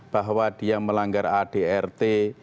bahwa dia melanggar adrt